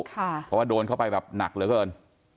เพราะว่าโดนเข้าไปแบบหนักเหลือเกิน